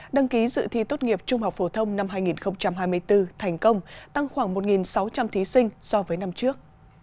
đăng ký dự thi tốt nghiệp trung học phổ thông năm hai nghìn hai mươi bốn thành công tăng khoảng một sáu trăm linh thí sinh so với năm trước